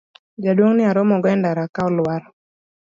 jaduong' ni aromogo e ndara ka olwar